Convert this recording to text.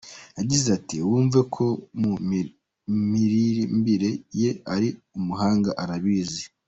Yagize ati :”Wumva ko mu miririmbire ye ari umuhanga, arabizi !”.